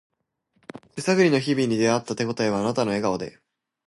手探りの日々に出会った手ごたえはあなたの笑顔で